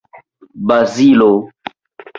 Bazilo!